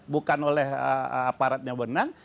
bukan oleh aparatnya bonang